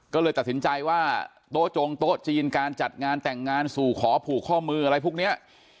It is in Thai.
ก็เลยตัดสินใจว่าโต๊ะจงโต๊ะจีนการจัดงานแต่งงานสู่ขอผูกข้อมืออะไรพวกนี้